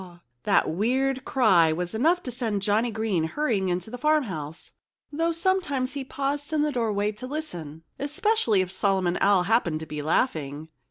_" That weird cry was enough to send Johnnie Green hurrying into the farmhouse, though sometimes he paused in the doorway to listen—especially if Solomon Owl happened to be laughing.